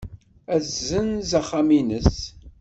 Ad tessenz axxam-nnes.